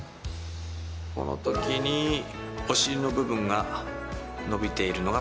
このときにお尻の部分が伸びているのがポイントです。